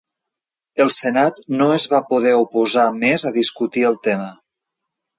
El senat no es va poder oposar més a discutir el tema.